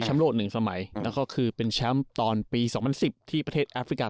ช้ำโลกหนึ่งสมัยอืมแล้วก็คือเป็นตอนปีสองพันสิบที่ประเทศแอฟริกา